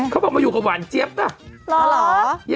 เขาบอกมาอยู่กับหวานเจี๊ยบป่ะ